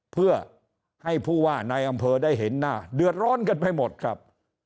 เพื่อให้ผู้ว่าในอำเภอได้เห็นหน้าเดือดร้อนกันไปหมดครับ